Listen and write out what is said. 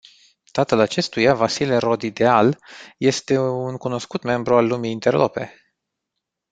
Tatăl acestuia, Vasile Rodideal este un cunoscut membru al lumii interlope.